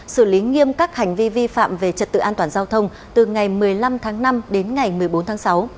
xử lý nghiêm các hành vi vi phạm về trật tự an toàn giao thông từ ngày một mươi năm tháng năm đến ngày một mươi bốn tháng sáu